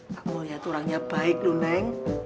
pak mulya itu orangnya baik loh neng